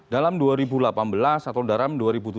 dalam dua ribu delapan belas atau dalam